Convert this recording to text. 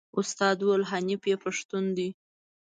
استاد وویل حیف چې پښتون دی.